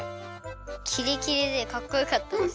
キレキレでかっこよかったです。